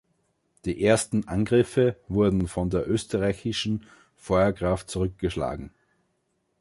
Diese ersten Angriffe wurden von der österreichischen Feuerkraft zurückgeschlagen.